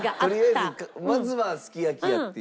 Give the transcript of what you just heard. とりあえずまずはすき焼きやっていう。